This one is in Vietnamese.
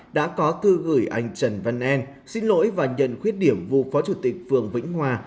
đã có thư gửi anh trần văn an xin lỗi và nhận khuyết điểm vụ phó chủ tịch phường vĩnh hòa